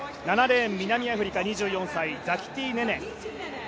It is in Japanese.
７レーン、南アフリカ２４歳ザキティ・ネネ。